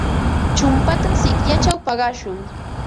Chumpata sikyachaw paqashun.